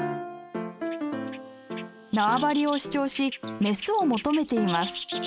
縄張りを主張しメスを求めています。